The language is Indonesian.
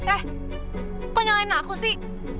eh kok nyalain aku sih